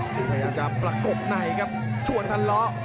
พยายามจะประกบในครับชวนทะเลาะ